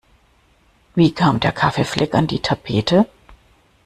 Wie kam der Kaffeefleck an die Tapete?